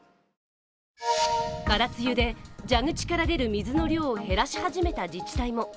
空梅雨で蛇口から出る水の量を減らし始めた自治体も。